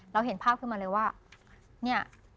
เราเห็นภาพขึ้นมาเลยว่า